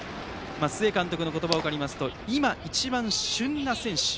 須江監督の言葉を借りますと今、一番旬な選手。